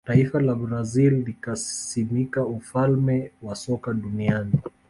taifa la brazil likasimika ufalme wa soka duniani